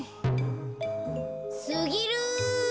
すぎる！